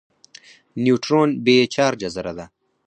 نیوټرون بې چارجه ذره ده.